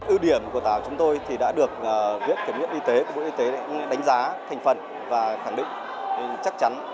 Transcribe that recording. ưu điểm của tàu của chúng tôi thì đã được viết kiểm nghiệp y tế của bộ y tế đánh giá thành phần và khẳng định chắc chắn